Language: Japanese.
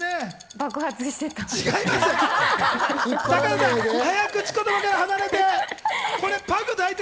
爆発してた？